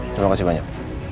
terima kasih banyak